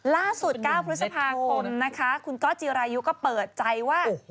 ล่าสุด๙พฤษภาคมนะคะคุณก๊อตจิรายุก็เปิดใจว่า